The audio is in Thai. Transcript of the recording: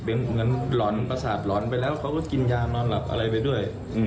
เหมือนประสาทหลอนไปแล้วเขาก็กินยานอนหลับอะไรไปด้วย